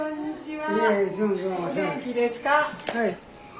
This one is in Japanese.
はい。